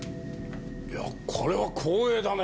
いやこれは光栄だね。